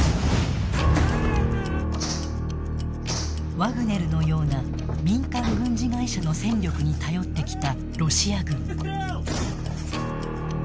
ワグネルのような民間軍事会社の戦力に頼ってきたロシア軍。